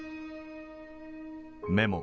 メモ